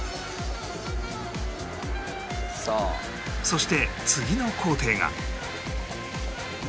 そして次の工程が